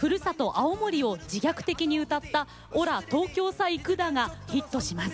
青森を自虐的に歌った「俺ら東京さ行ぐだ」がヒットします。